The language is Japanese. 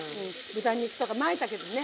豚肉とかまいたけにね。